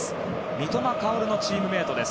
三笘薫のチームメートです。